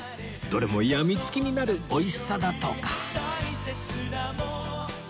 どれも病みつきになる美味しさだとか